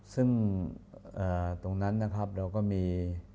ซึ่งตรงนั้นนะครับเราก็มี